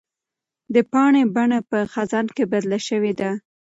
د پاڼې بڼه په خزان کې بدله شوې ده.